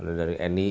ada dari ndi